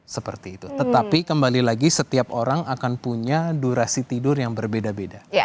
seperti itu tetapi kembali lagi setiap orang akan punya durasi tidur yang berbeda beda